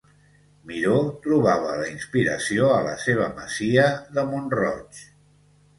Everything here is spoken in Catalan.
Miró trobava la inspiració a la seva masia de Mont-roig.